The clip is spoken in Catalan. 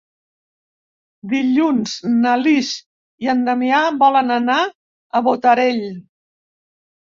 Dilluns na Lis i en Damià volen anar a Botarell.